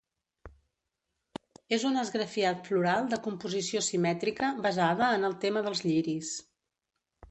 És un esgrafiat floral de composició simètrica basada en el tema dels lliris.